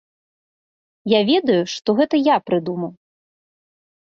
Я ведаю, што гэта я прыдумаў.